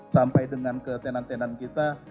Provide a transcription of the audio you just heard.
sampai dengan ke tenan tenan kita